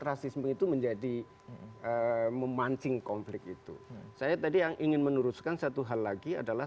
rasisme itu menjadi memancing konflik itu saya tadi yang ingin meneruskan satu hal lagi adalah